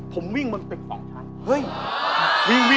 ผมวิ่งเมืองติดป่องชัย